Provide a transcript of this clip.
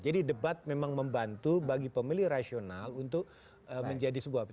jadi debat memang membantu bagi pemilih rasional untuk menjadi sebuah